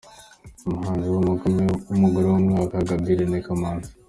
Umuhanzi w’umugore w’umwaka: Gaby Irene Kamanzi .